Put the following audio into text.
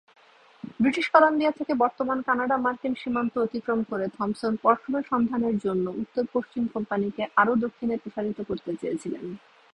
British Columbia থেকে বর্তমান কানাডা-মার্কিন সীমান্ত অতিক্রম করে, থম্পসন পশমের সন্ধানের জন্য উত্তর পশ্চিম কোম্পানিকে আরও দক্ষিণে প্রসারিত করতে চেয়েছিলেন।